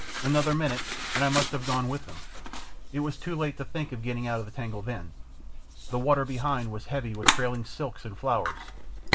Another minute and I must have gone with them. It was too late to think of getting out of the tangle then; the water behind was heavy with trailing silks and flowers.